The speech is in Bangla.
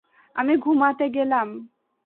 আমি ঘুমাতে গেলাম।